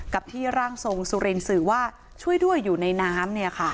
กับที่ร่างทรงสุเรนสิว่าช่วยด้วยอยู่ในน้ำเนี่ยค่ะ